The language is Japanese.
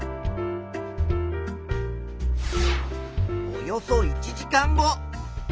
およそ１時間後。